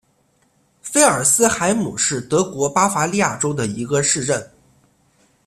菲尔斯海姆是德国巴伐利亚州的一个市镇。